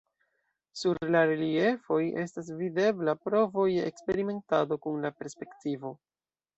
Sur la reliefoj estas videbla provo je eksperimentado kun la perspektivo.